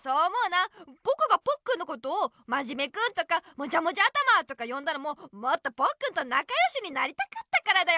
ぼくがポッくんのことを「まじめクン」とか「もじゃもじゃ頭」とかよんだのももっとポッくんとなかよしになりたかったからだよ。